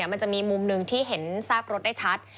มันจะมีมุมหนึ่งที่เห็นซากรถได้ชัด